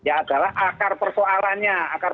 adalah akar persoalannya akar